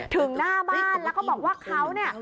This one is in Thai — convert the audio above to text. ถึงหน้าบ้านแล้วก็บอกว่าเขาเนี่ย